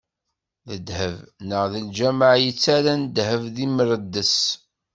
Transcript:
D ddheb, neɣ d lǧameɛ yettarran ddheb d imreddes?